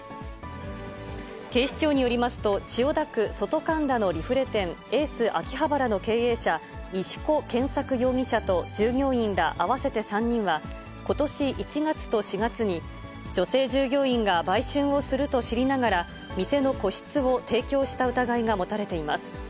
警視庁によりますと、千代田区外神田のリフレ店、エース秋葉原の経営者、石河謙作容疑者と従業員ら合わせて３人は、ことし１月と４月に、女性従業員が売春をすると知りながら、店の個室を提供した疑いが持たれています。